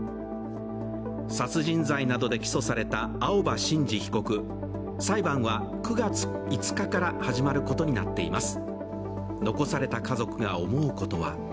殺人罪などで起訴された青葉真司被告、裁判は９月５日から始まることになっています。